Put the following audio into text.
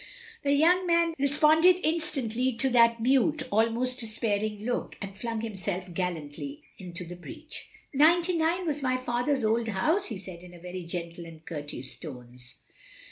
The young man responded instantly to that OP GROSVENOR SQUARE 99 mute, almost despairing look, and flung himself gallantly into the breach. "Ninety nine was my father's old house," he said in very gentle and courteous tones.